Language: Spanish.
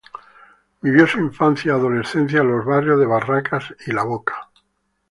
Vivió su infancia y adolescencia en los barrios de Barracas y La Boca.